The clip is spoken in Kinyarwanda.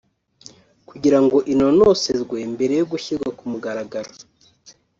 kugira ngo inonosorwe mbere yo gushyirwa ku mugaragaro